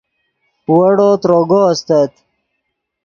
ویڑو تروگو استت